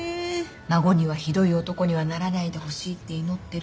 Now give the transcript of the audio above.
孫にはひどい男にはならないでほしいって祈ってる。